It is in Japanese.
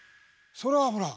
それはほら。